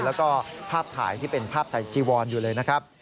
แล้วก็ภาพถ่ายที่เป็นภาพใส่จีวอนอยู่เลยนะครับ